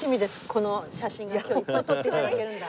この写真が今日いっぱい撮って頂けるんだ。